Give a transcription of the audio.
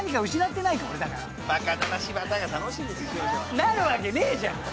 なるわけねえじゃん！